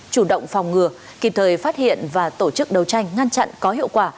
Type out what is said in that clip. chủ động phòng ngừa kịp thời phát hiện và tổ chức đấu tranh ngăn chặn có hiệu quả